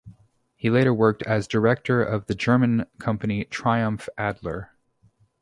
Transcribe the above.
He later worked as director of the German company Triumph Adler.